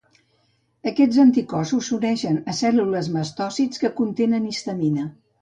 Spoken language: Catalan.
Aquests anticossos s’uneixen a cèl·lules mastòcits, que contenen histamina.